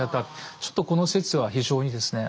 ちょっとこの説は非常にですね。